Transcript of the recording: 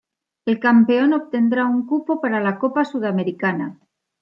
El campeón obtendrá un cupo para la Copa Sudamericana.